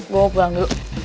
gue mau pulang dulu